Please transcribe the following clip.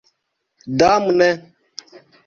damne